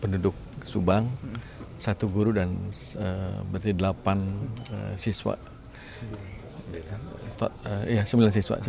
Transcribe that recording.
penduduk subang satu guru dan delapan siswa